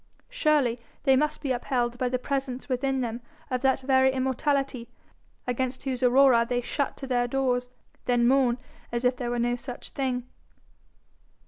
Surely they must be upheld by the presence within them of that very immortality, against whose aurora they shut to their doors, then mourn as if there were no such thing.